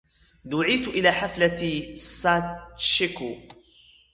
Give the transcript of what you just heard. دُعيتُ إلى حفلة ساتشِكو.